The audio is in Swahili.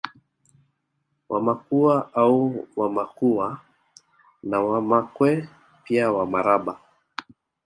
Wamakua au Wamakhuwa na Wamakwe pia Wamaraba